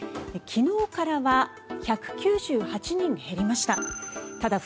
昨日からは１９８人減りました。